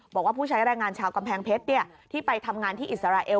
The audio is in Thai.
บอกว่าผู้ใช้แรงงานชาวกำแพงเพชรที่ไปทำงานที่อิสราเอล